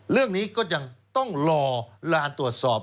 เรื่องนี้ก็ยังต้องรอลานตรวจสอบ